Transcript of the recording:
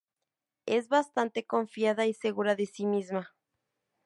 Es bastante confiada y segura de sí misma.